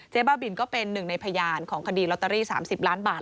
บ้าบินก็เป็นหนึ่งในพยานของคดีลอตเตอรี่๓๐ล้านบาท